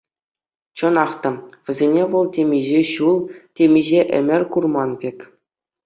Чӑнах та, вӗсене вӑл темиҫе ҫул, темиҫе ӗмӗр курман пек.